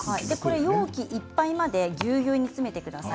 容器いっぱいまでぎゅうぎゅうに詰めてください。